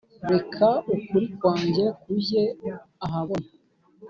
reka ukuri kwanjye kujye ahabona